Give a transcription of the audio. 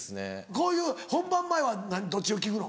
こういう本番前はどっちを聴くの？